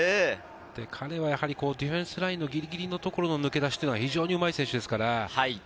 彼はディフェンスラインのギリギリのところを抜け出してというのが非常にうまい選手ですから。